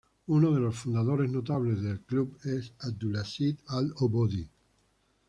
Uno de los fundadores notables del club es Abdulaziz Al-Obodi.